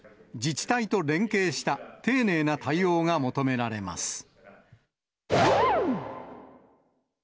自治体と連携した丁寧な対応が求められます。